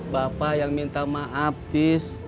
bapak yang minta maaf tis